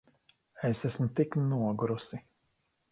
Es esmu tik nogurusi.